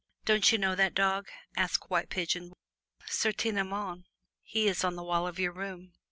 "Don't you know that dog?" asked White Pigeon. "Certainement he is on the wall of your room."